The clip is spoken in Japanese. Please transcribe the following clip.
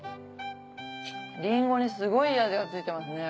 りんごにすごいいい味が付いてますね。